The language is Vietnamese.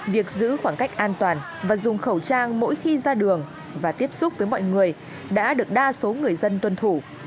việc giữ khoảng cách an toàn và dùng khẩu trang mỗi khi ra đường và tiếp xúc với mọi người đã được đa số người dân tuân thủ